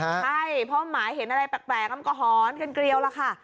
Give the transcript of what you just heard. ใช่เพราะหมาเห็นอะไรแปลกมันก็หอนกันเกลียวล่ะค่ะ